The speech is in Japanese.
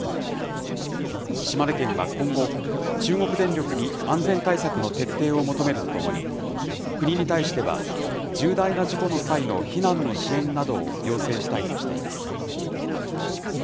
島根県は今後、中国電力に安全対策の徹底を求めるとともに、国に対しては、重大な事故の際の避難の支援などを要請したいとしています。